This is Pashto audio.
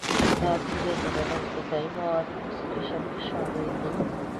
دا اکسیجن د بدن غذايي موادو په اکسیدیشن کې شامل دی.